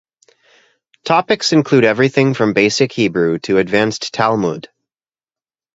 Topics include everything from basic Hebrew to advanced Talmud.